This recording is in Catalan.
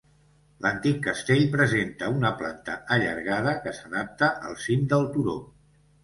L'antic castell presenta una planta allargada, que s'adapta al cim del turó.